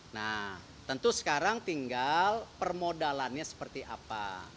nah tentu sekarang tinggal permodalannya seperti apa